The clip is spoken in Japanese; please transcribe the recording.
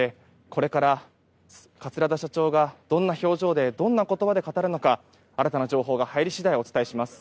これから桂田社長がどんな表情で、どんな言葉で語るのか、新たな情報が入り次第お伝えします。